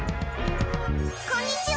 こんにちは！